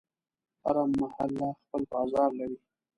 هره محله خپل بازار لري.